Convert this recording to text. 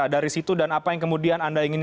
dari situ dan apa yang kemudian anda ingin